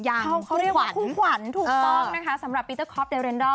อย่างคู่ขวัญถูกต้องนะคะสำหรับปีเตอร์คอฟแดเรนดอล